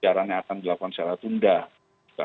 caranya akan dilakukan secara tunda